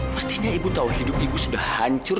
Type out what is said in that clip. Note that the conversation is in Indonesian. mestinya ibu tahu hidup ibu sudah hancur